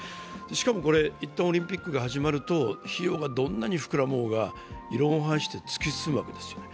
しかも、いったんオリンピックが始まると費用がどんなに膨らもうが異論を排して突き進むわけですよね。